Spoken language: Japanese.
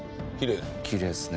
きれいね。